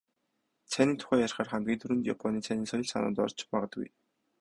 Цайны тухай ярихаар хамгийн түрүүнд "Японы цайны ёслол" санаанд орж магадгүй.